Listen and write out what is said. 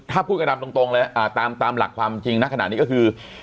ถ้าพูดกระดามตรงตรงแล้วอ่าตามตามหลักความจริงณขณะนี้ก็คือ